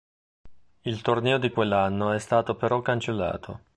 Il torneo di quell'anno è stato però cancellato.